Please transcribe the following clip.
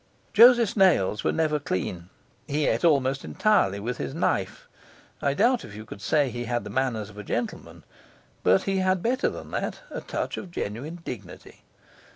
Joseph's nails were never clean; he ate almost entirely with his knife. I doubt if you could say he had the manners of a gentleman; but he had better than that, a touch of genuine dignity.